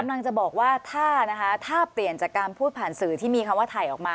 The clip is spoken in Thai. กำลังจะบอกว่าถ้านะคะถ้าเปลี่ยนจากการพูดผ่านสื่อที่มีคำว่าถ่ายออกมา